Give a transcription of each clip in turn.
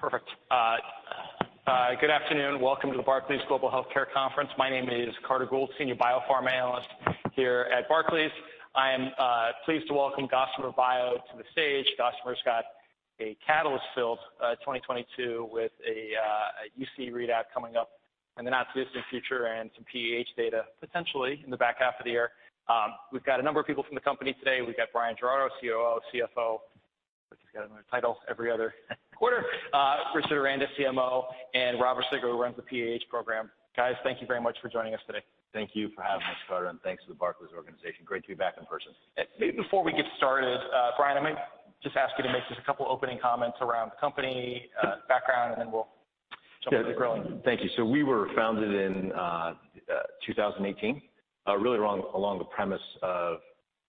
Hey, perfect. Good afternoon. Welcome to the Barclays Global Healthcare Conference. My name is Carter Gould, Senior BioPharma Analyst here at Barclays. I am pleased to welcome Gossamer Bio to the stage. Gossamer's got a catalyst-filled 2022 with a UC readout coming up in the not-too-distant future and some PAH data potentially in the back half of the year. We've got a number of people from the company today. We've got Bryan Giraudo, COO, CFO. Looks like he's got another title every other quarter. Richard Aranda, CMO, and Robert Sigler, who runs the PAH program. Guys, thank you very much for joining us today. Thank you for having us, Carter, and thanks to the Barclays organization. Great to be back in person. Before we get started, Bryan, I might just ask you to make just a couple of opening comments around the company, background, and then we'll jump into grilling. Thank you. We were founded in 2018, really along the premise of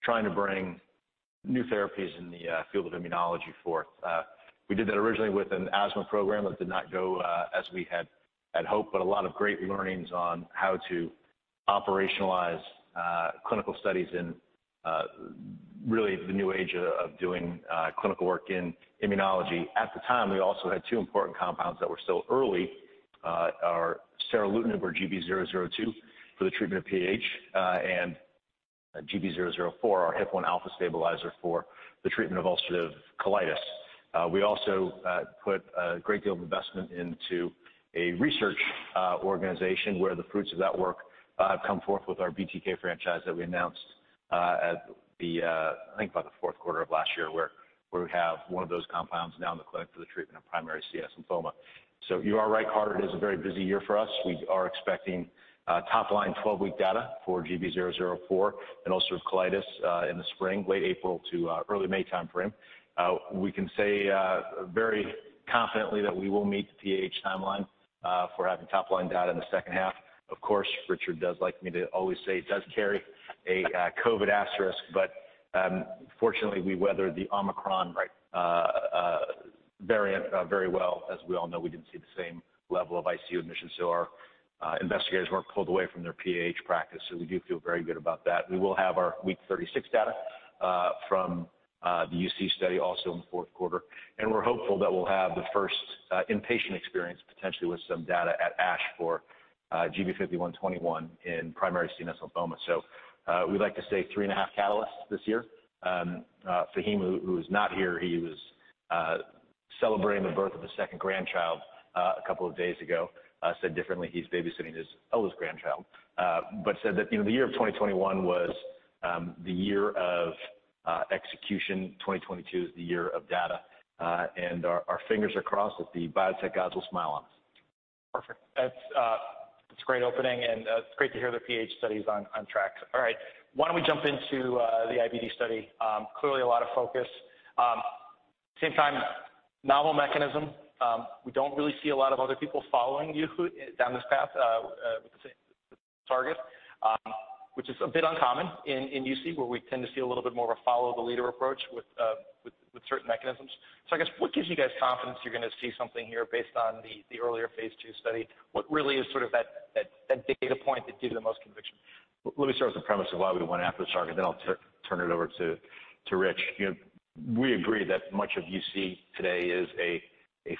trying to bring new therapies in the field of immunology forward. We did that originally with an asthma program that did not go as we had hoped, but a lot of great learnings on how to operationalize clinical studies and really the new age of doing clinical work in immunology. At the time, we also had two important compounds that were still early, our seralutinib or GB002 for the treatment of PAH, and GB004, our HIF-1α stabilizer for the treatment of ulcerative colitis. We also put a great deal of investment into a research organization where the fruits of that work have come forth with our BTK franchise that we announced at the, I think, about Q4 of last year, where we have one of those compounds now in the clinic for the treatment of primary CNS lymphoma. You are right, Carter. It is a very busy year for us. We are expecting top-line 12-week data for GB004 in ulcerative colitis in the spring, late April to early May timeframe. We can say very confidently that we will meet the PAH timeline for having top-line data in the second half. Of course, Richard does like me to always say it does carry a COVID asterisk. Fortunately, we weathered the Omicron variant very well. As we all know, we didn't see the same level of ICU admissions, so our investigators weren't pulled away from their PAH practice, so we do feel very good about that. We will have our week 36 data from the UC study also in Q4. We're hopeful that we'll have the first-inpatient experience potentially with some data at ASH for GB5121 in primary CNS lymphoma. We'd like to say three and a half catalysts this year. Faheem, who is not here, he was celebrating the birth of his second grandchild a couple of days ago. Said differently, he's babysitting his eldest grandchild. Said that, the year of 2021 was the year of execution. 2022 is the year of data. Our fingers are crossed that the biotech gods will smile on us. Perfect. That's a great opening, and it's great to hear the PAH study's on track. All right. Why don't we jump into the IBD study? Clearly a lot of focus. Same time, novel mechanism. We don't really see a lot of other people following you down this path with the same target, which is a bit uncommon in UC, where we tend to see a little bit more of a follow-the-leader approach with certain mechanisms. What gives you guys confidence you're going to see something here based on the earlier phase II study? What really is that data point that gives you the most conviction? Let me start with the premise of why we went after the target, then I'll turn it over to Rich. We agree that much of UC today is a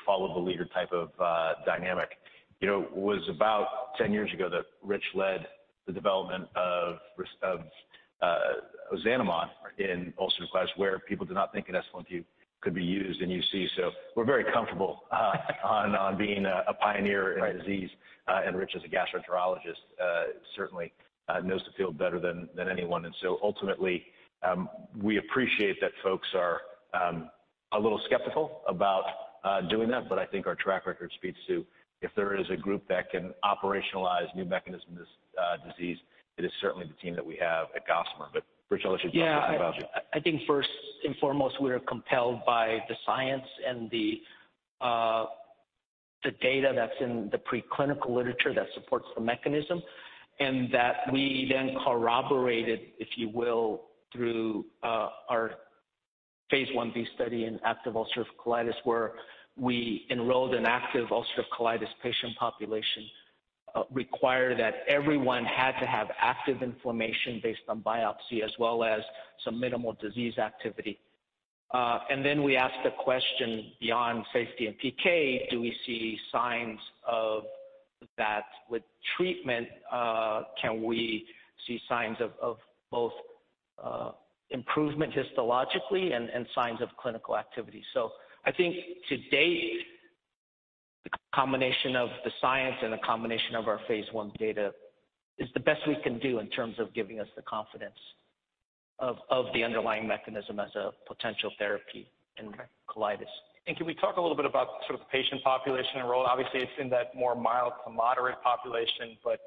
follow-the-leader type of dynamic. It was about 10 years ago that Rich led the development of Ozanimod in ulcerative colitis where people did not think an S1P could be used in UC. We're very comfortable on being a pioneer in the disease. Rich as a gastroenterologist certainly knows the field better than anyone. Ultimately, we appreciate that folks are a little skeptical about doing that, but I think our track record speaks to if there is a group that can operationalize new mechanism disease, it is certainly the team that we have at Gossamer. Rich, I'll let you talk about it. Yes. I think first and foremost, we are compelled by the science and the data that's in the preclinical literature that supports the mechanism and that we then corroborated, if you will, through our phase Ib study in active ulcerative colitis, where we enrolled an active ulcerative colitis patient population, require that everyone had to have active inflammation based on biopsy as well as some minimal disease activity. We asked the question beyond safety and PK, do we see signs of that with treatment, can we see signs of both improvement histologically and signs of clinical activity? I think to date, the combination of the science and the combination of our phase I data is the best we can do in terms of giving us the confidence of the underlying mechanism as a potential therapy in colitis. Can we talk a little bit about sort of the patient population enrolled? Obviously, it's in that more mild to moderate population, but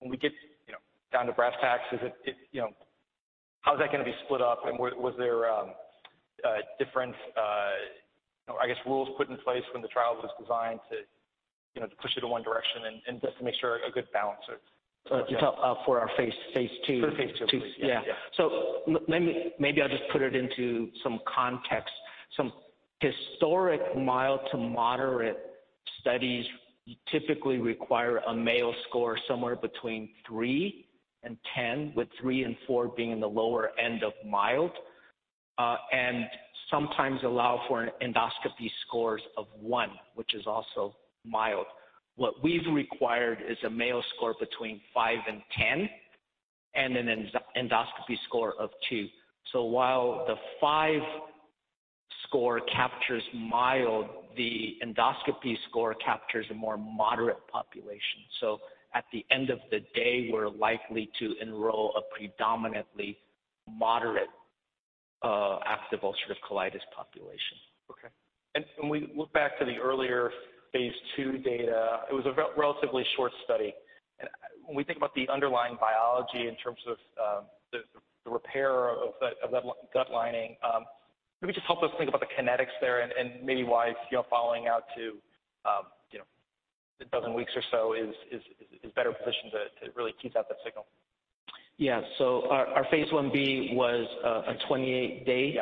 when we get down to brass tacks, how's that going to be split up, and was there different rules put in place when the trial was designed to push it in one direction and just to make sure a good balance of- For our phase II. For phase II. Yes. Maybe I'll just put it into some context. Some historic mild to moderate studies typically require a Mayo score somewhere between three and 10, with three and four being in the lower end of mild, and sometimes allow for endoscopy scores of one, which is also mild. What we've required is a Mayo score between five and 10 and an endoscopy score of two. While the five score captures mild, the endoscopy score captures a more moderate population. At the end of the day, we're likely to enroll a predominantly moderate active ulcerative colitis population. Okay. When we look back to the earlier phase II data, it was a relatively short study. When we think about the underlying biology in terms of the repair of the gut lining, maybe just help us think about the kinetics there and maybe why following out to a dozen weeks or so is better positioned to really tease out that signal. Yes. Our phase Ib was a 28-day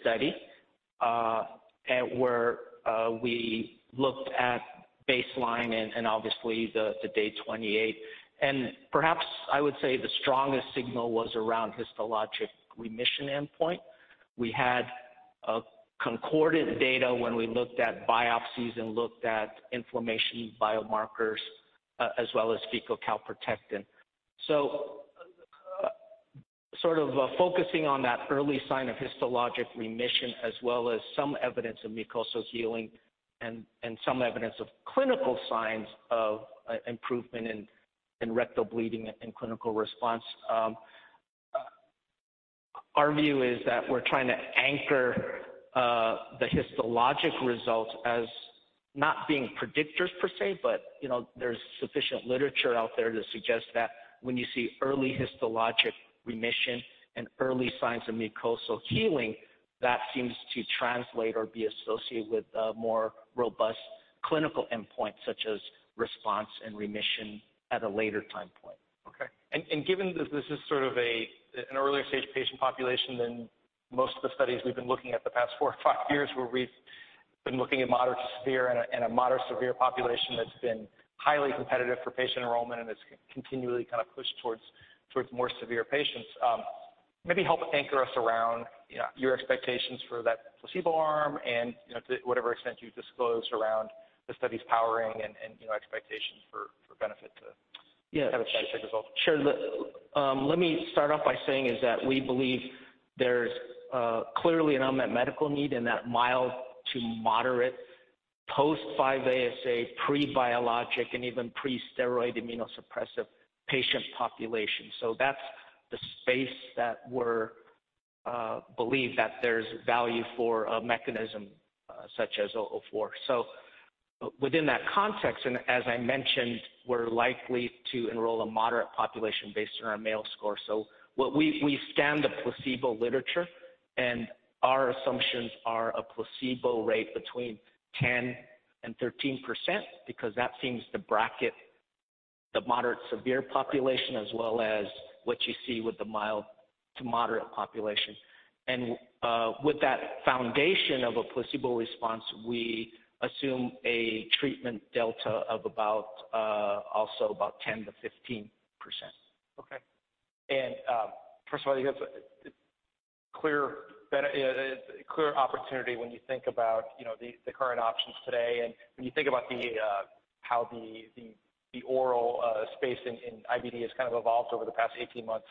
study where we looked at baseline and obviously the day 28. Perhaps, I would say the strongest signal was around histologic remission endpoint. We had concordant data when we looked at biopsies and looked at inflammation biomarkers, as well as fecal calprotectin. Focusing on that early sign of histologic remission, as well as some evidence of mucosal healing and some evidence of clinical signs of improvement in rectal bleeding and clinical response. Our view is that we're trying to anchor the histologic results as not being predictors per se, but there's sufficient literature out there to suggest that when you see early histologic remission and early signs of mucosal healing, that seems to translate or be associated with a more robust clinical endpoint, such as response and remission at a later time point. Okay, given this is an earlier stage patient population than most of the studies we've been looking at the past four or five years, where we've been looking at moderate to severe and a moderate severe population that's been highly competitive for patient enrollment and it's continually pushed towards more severe patients. Maybe help anchor us around your expectations for that placebo arm and to whatever extent you've disclosed around the studies powering and expectations for benefit to have a side effect as well. Sure. Let me start off by saying is that we believe there's clearly an unmet medical need in that mild to moderate post 5-ASA, pre-biologic, and even pre-steroid immunosuppressive patient population. That's the space that we believe that there's value for a mechanism such as GB004. Within that context, and as I mentioned, we're likely to enroll a moderate population based on our Mayo score. We scan the placebo literature and our assumptions are a placebo rate between 10% and 13% because that seems to bracket the moderate severe population as well as what you see with the mild to moderate population. With that foundation of a placebo response, we assume a treatment delta of about also about 10%-15%. Okay. First of all, you guys are clear opportunity when you think about the current options today and when you think about how the oral space in IBD has evolved over the past 18 months.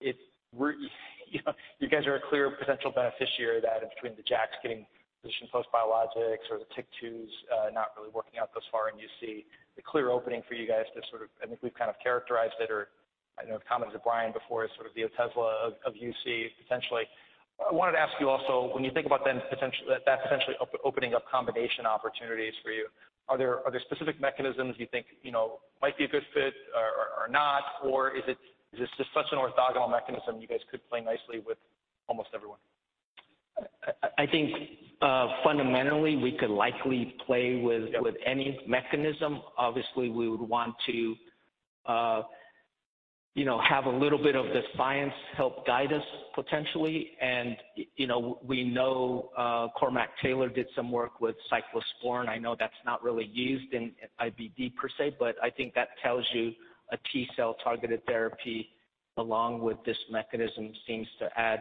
You guys are a clear potential beneficiary of that between the JAKs getting positioned post-biologics or the TYK2 not really working out thus far. You see the clear opening for you guys to... I think we've characterized it, or I know the comments of Bryan before is the Stelara of UC, essentially. I wanted to ask you also, when you think about the potential that essentially opening up combination opportunities for you, are there specific mechanisms you think, might be a good fit or not or is it just such an orthogonal mechanism you guys could play nicely with almost everyone? I think, fundamentally, we could likely play with any mechanism. Obviously, we would want to have a little bit of the science help guide us potentially. We know Cormac Taylor did some work with cyclosporine. I know that's not really used in IBD per se, but I think that tells you a T-cell-targeted therapy along with this mechanism seems to add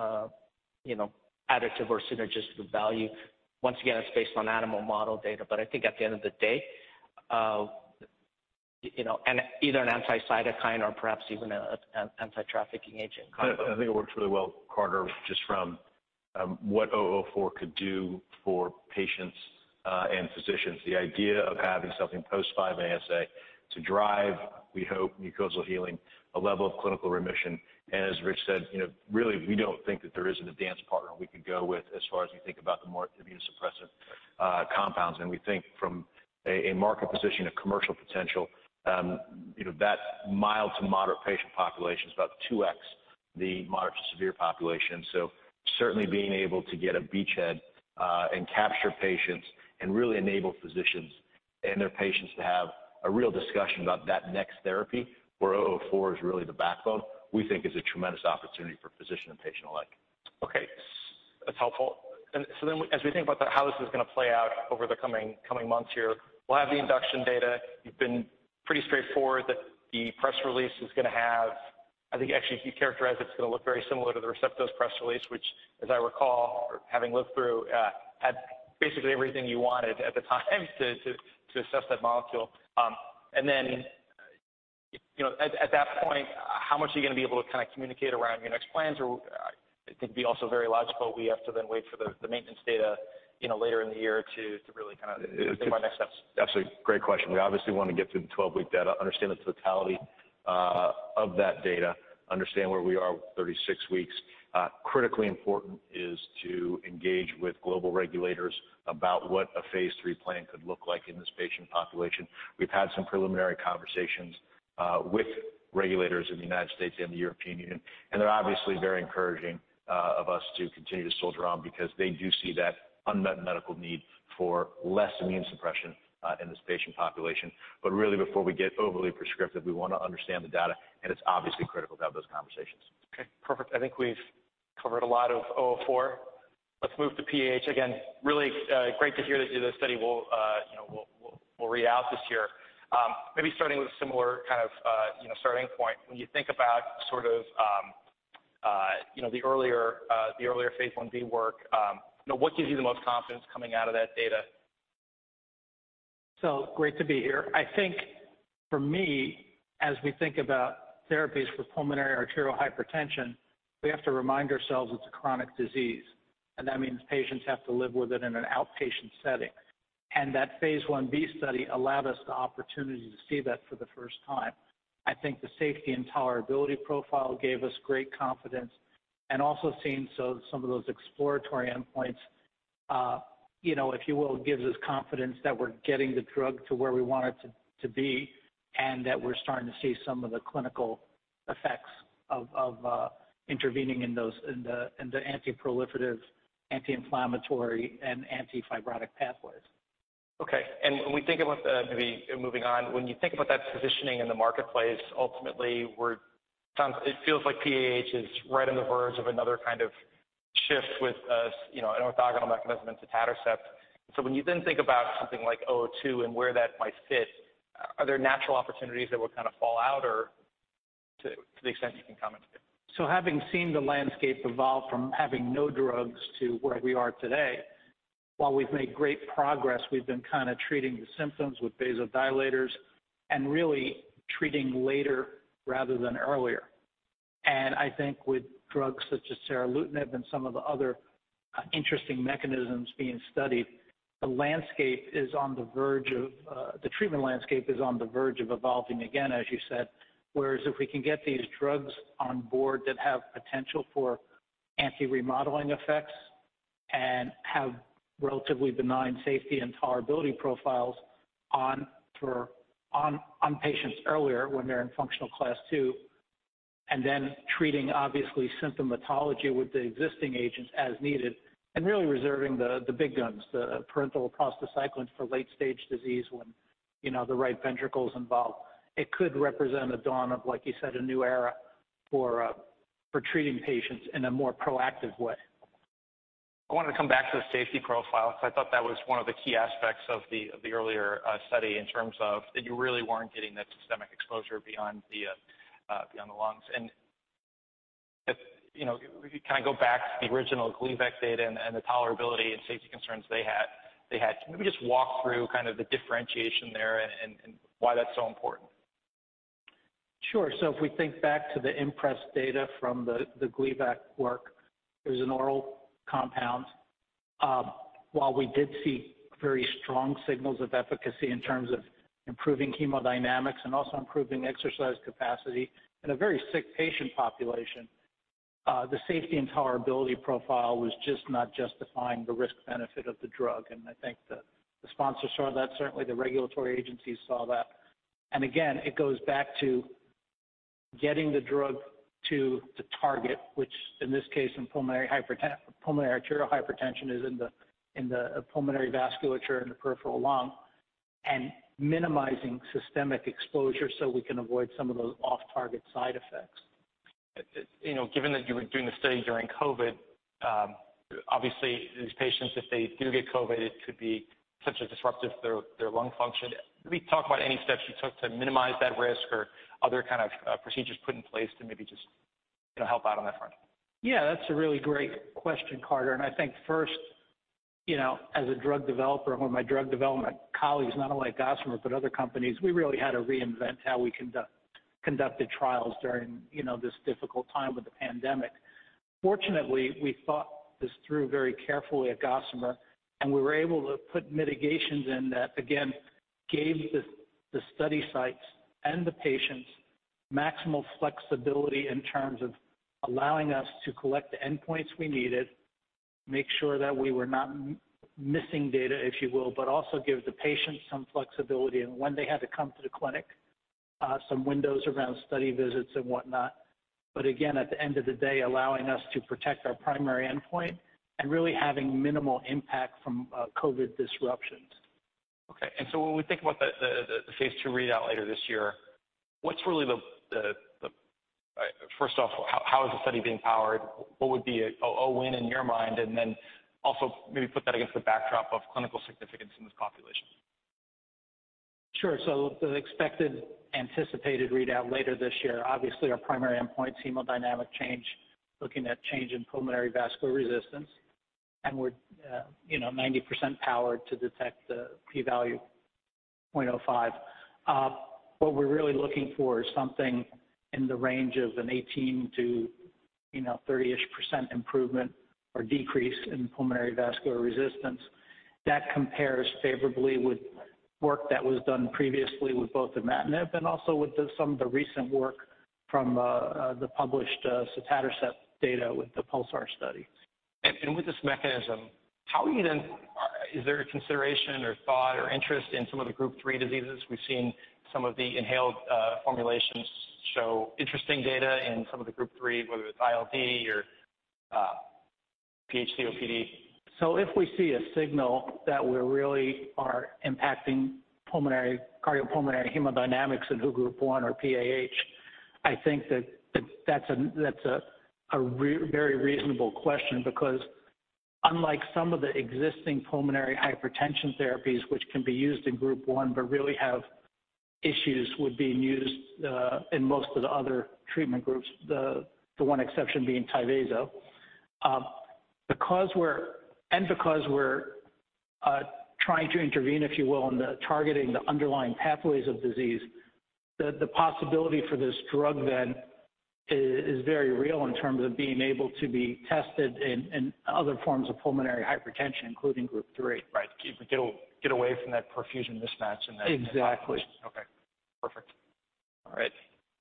additive or synergistic value. Once again, it's based on animal model data, but I think at the end of the day and either an anti-cytokine or perhaps even an anti-trafficking agent. I think it works really well, Carter, just from what GB004 could do for patients and physicians. The idea of having something post 5-ASA to drive, we hope, mucosal healing, a level of clinical remission. As Rich said, really, we don't think that there isn't a dance partner we could go with as far as we think about the more immunosuppressive compounds. We think from a market position, a commercial potential, that mild to moderate patient population is about 2x the moderate to severe population. Certainly being able to get a beachhead and capture patients and really enable physicians and their patients to have a real discussion about that next therapy where GB004 is really the backbone, we think is a tremendous opportunity for physician and patient alike. Okay, that's helpful. As we think about how this is going to play out over the coming months here, we'll have the induction data. You've been pretty straightforward that the press release is going to have. I think actually you characterized it's going to look very similar to the Receptos press release, which as I recall, or having looked through, had basically everything you wanted at the time to assess that molecule. At that point, how much are you going to be able to communicate around your next plans? It'd be also very logical we have to then wait for the maintenance data later in the year to really think about next steps. Absolutely. Great question. We obviously want to get to the 12-week data, understand the totality of that data, understand where we are with 36 weeks. Critically important is to engage with global regulators about what a phase III plan could look like in this patient population. We've had some preliminary conversations with regulators in the United States and the European Union, and they're obviously very encouraging of us to continue to soldier on because they do see that unmet medical need for less immune suppression in this patient population. Really, before we get overly prescriptive, we want to understand the data, and it's obviously critical to have those conversations. Okay, perfect. I think we've covered a lot of 004. Let's move to PAH. Again, really great to hear that the study will read out this year. Maybe starting with a similar starting point, when you think about the earlier phase Ib work, what gives you the most confidence coming out of that data? Great to be here. I think for me, as we think about therapies for pulmonary arterial hypertension, we have to remind ourselves it's a chronic disease, and that means patients have to live with it in an outpatient setting. That phase Ib study allowed us the opportunity to see that for the first time. I think the safety and tolerability profile gave us great confidence and also seeing some of those exploratory endpoints, if you will, gives us confidence that we're getting the drug to where we want it to be and that we're starting to see some of the clinical effects of intervening in those anti-proliferative, anti-inflammatory and anti-fibrotic pathways. Okay. Maybe moving on, when you think about that positioning in the marketplace, ultimately it feels like PAH is right on the verge of another shift with an orthogonal mechanism to tadalafil. When you then think about something like 002 and where that might fit, are there natural opportunities that would fall out or to the extent you can comment there? Having seen the landscape evolve from having no drugs to where we are today, while we've made great progress, we've been treating the symptoms with vasodilators and really treating later rather than earlier. I think with drugs such as seralutinib and some of the other interesting mechanisms being studied, the treatment landscape is on the verge of evolving again, as you said. Whereas if we can get these drugs on board that have potential for anti-remodeling effects and have relatively benign safety and tolerability profiles on patients earlier when they're in functional Class II, and then treating obviously symptomatology with the existing agents as needed and really reserving the big guns, the parenteral prostacyclin for late-stage disease when the right ventricle's involved. It could represent a dawn of, like you said, a new era for treating patients in a more proactive way. I wanted to come back to the safety profile because I thought that was one of the key aspects of the earlier study in terms of that you really weren't getting that systemic exposure beyond the lungs. If we could kind of go back to the original Gleevec data and the tolerability and safety concerns they had. Can you maybe just walk through kind of the differentiation there and why that's so important? Sure. If we think back to the IMPRES data from the Gleevec work, it was an oral compound. While we did see very strong signals of efficacy in terms of improving hemodynamics and also improving exercise capacity in a very sick patient population, the safety and tolerability profile was just not justifying the risk-benefit of the drug. I think the sponsor saw that, certainly the regulatory agencies saw that. Again, it goes back to getting the drug to the target, which in this case in pulmonary arterial hypertension is in the pulmonary vasculature in the peripheral lung, and minimizing systemic exposure so we can avoid some of those off-target side effects. Given that you were doing the study during COVID, obviously these patients, if they do get COVID, it could be potentially disruptive to their lung function. Can we talk about any steps you took to minimize that risk or other kind of procedures put in place to maybe just help out on that front? Yes, that's a really great question, Carter. I think first, as a drug developer or my drug development colleagues, not only at Gossamer but other companies, we really had to reinvent how we conducted trials during this difficult time with the pandemic. Fortunately, we thought this through very carefully at Gossamer, and we were able to put mitigations in that again gave the study sites and the patients maximal flexibility in terms of allowing us to collect the endpoints we needed, make sure that we were not missing data, if you will, but also give the patients some flexibility in when they had to come to the clinic, some windows around study visits and whatnot. Again, at the end of the day, allowing us to protect our primary endpoint and really having minimal impact from COVID disruptions. Okay. When we think about the phase II readout later this year, First off, how is the study being powered? What would be a win in your mind? Also maybe put that against the backdrop of clinical significance in this population. Sure. The expected anticipated readout later this year, obviously our primary endpoint's hemodynamic change, looking at change in pulmonary vascular resistance, and we're 90% powered to detect the p-value 0.05. What we're really looking for is something in the range of an 18% to 30-ish% improvement or decrease in pulmonary vascular resistance. That compares favorably with work that was done previously with both imatinib and also with some of the recent work from the published sotatercept data with the PULSAR study. With this mechanism, is there a consideration or thought or interest in some of the group three diseases? We've seen some of the inhaled formulations show interesting data in some of the group three, whether it's ILD or PH-COPD. If we see a signal that we really are impacting pulmonary and cardiopulmonary hemodynamics in WHO Group 1 or PAH, I think that's a very reasonable question because unlike some of the existing pulmonary hypertension therapies which can be used in Group 1 but really have issues with being used in most of the other treatment groups, the one exception being Tyvaso. Because we're trying to intervene, if you will, on targeting the underlying pathways of disease, the possibility for this drug then is very real in terms of being able to be tested in other forms of pulmonary hypertension, including Group 3. Right. Get away from that perfusion mismatch. Exactly. Okay. Perfect. All right.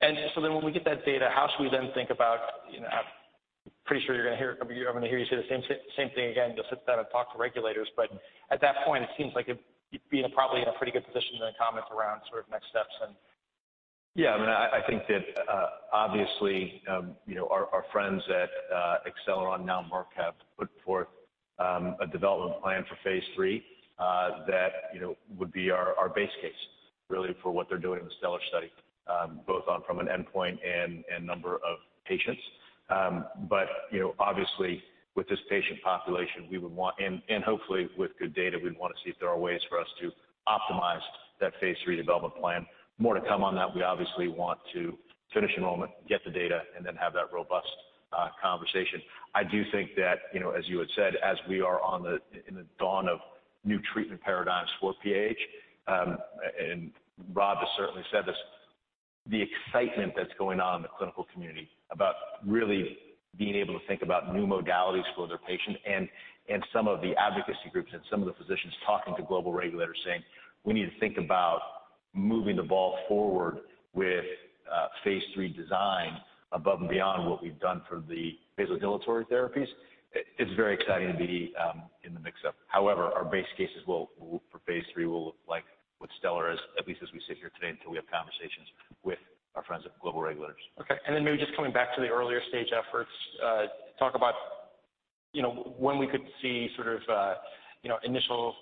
When we get that data, how should we then think about... I'm pretty sure you're going to hear, I'm going to hear you say the same thing again. You'll sit down and talk to regulators. At that point, it seems like it'd be probably in a pretty good position to then comment around next steps. Yes. I think that obviously our friends at Acceleron now Merck have put forth a development plan for phase III that would be our base case really for what they're doing with the STELLAR study both from an endpoint and number of patients. Obviously, with this patient population we would want and hopefully with good data we'd want to see if there are ways for us to optimize that phase III development plan. More to come on that. We obviously want to finish enrollment, get the data, and then have that robust conversation. I do think that, as you had said, as we are in the dawn of new treatment paradigms for PAH, and Rob has certainly said this, the excitement that's going on in the clinical community about really being able to think about new modalities for their patients and some of the advocacy groups and some of the physicians talking to global regulators saying, "We need to think about moving the ball forward with phase III design above and beyond what we've done for the vasodilatory therapies." It's very exciting to be in the mix of. However, our base cases will for phase III will look like with STELLAR as at least as we sit here today until we have conversations with our friends at global regulators. Okay. Maybe just coming back to the earlier stage efforts, talk about when we could see initial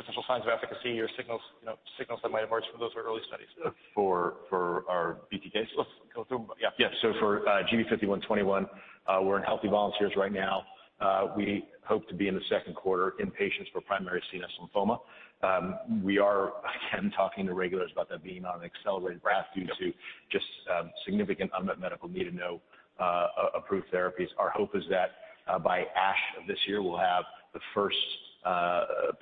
potential signs of efficacy or signals that might emerge from those early studies. For our BTK? Go through them. Yes. For GB5121, we're in healthy volunteers right now. We hope to be in Q2 in patients for primary CNS lymphoma. We are again talking to regulators about that being on an accelerated path due to just significant unmet medical need and no approved therapies. Our hope is that by ASH of this year, we'll have the first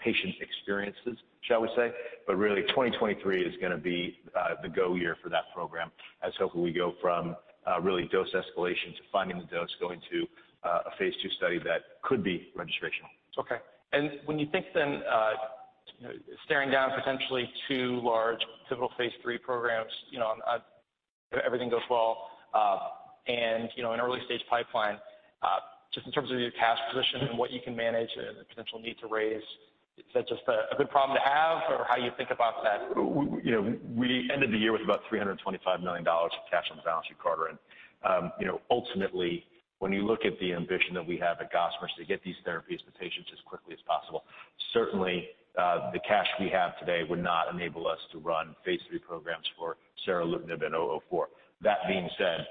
patient experiences, shall we say. Really, 2023 is going to be the go year for that program as hopefully we go from really dose escalation to finding the dose, going to a phase II study that could be registrational. Okay. When you think then staring down potentially two large clinical phase III programs, everything goes well, and in early stage pipeline, just in terms of your cash position and what you can manage and the potential need to raise, is that just a good problem to have or how you think about that? We ended the year with about $325 million of cash on the balance sheet, Carter. Ultimately, when you look at the ambition that we have at Gossamer Bio to get these therapies to patients as quickly as possible, certainly the cash we have today would not enable us to run phase III programs for seralutinib and GB004. That being said,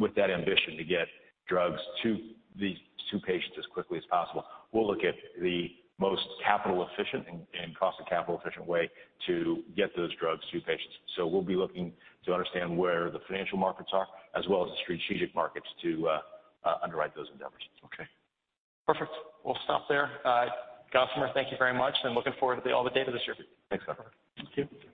with that ambition to get drugs to these two patients as quickly as possible, we'll look at the most capital efficient and cost and capital efficient way to get those drugs to patients. We'll be looking to understand where the financial markets are as well as the strategic markets to underwrite those endeavors. Okay. Perfect. We'll stop there. Gossamer, thank you very much, and looking forward to all the data this year. Thanks, Carter. Thank you.